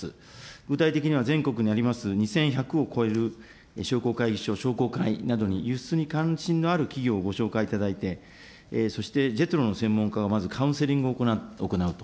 具体的には、全国にあります２１００を超える、商工会議所、商工会などに輸出に関心のある企業をご紹介いただいて、そしてＪＥＴＲＯの専門家がまずカウンセリングを行うと。